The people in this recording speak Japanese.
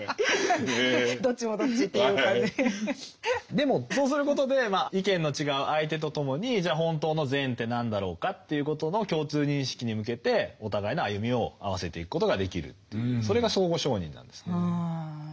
でもそうすることで意見の違う相手とともにじゃあ本当の善って何だろうかということの共通認識に向けてお互いの歩みを合わせていくことができるというそれが相互承認なんですね。